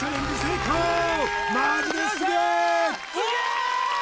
すげえ！